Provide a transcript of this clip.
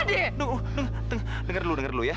waduh denger dulu denger dulu ya